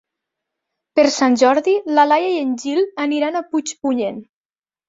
Per Sant Jordi na Laia i en Gil aniran a Puigpunyent.